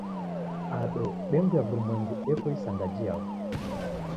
Ado bengi ya w'urumwengu eko isanga jiao?